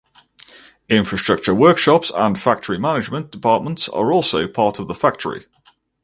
Infrastructure workshops and factory management departments are also part of the factory.